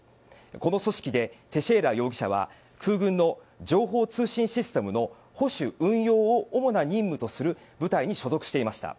この組織でテシェイラ容疑者は空軍の情報通信システムの保守・運用を主な任務とする部隊に所属していました。